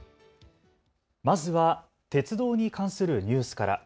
まずは鉄道に関するニュースから。